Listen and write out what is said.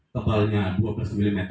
kebalnya dua belas mm